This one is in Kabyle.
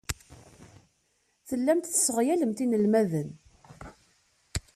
Tellamt tesseɣyalemt inelmaden.